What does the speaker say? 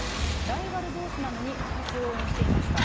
ライバルどうしなのに、２つ応援していました。